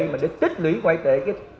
mà để tích lý ngoại tệ